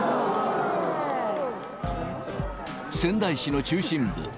仙台市の中心部。